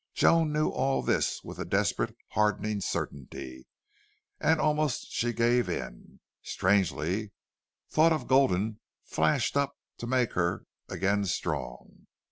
Joan knew all this with a desperate hardening certainty, and almost she gave in. Strangely, thought of Gulden flashed up to make her again strong!